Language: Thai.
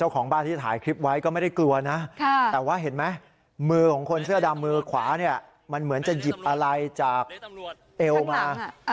กลัวไว้ก็ไม่ได้กลัวนะแต่ว่าเห็นมั้ยมือของคนเสื้อดำมือขวาเนี่ยมันเหมือนจะหยิบอะไรจากเอลมา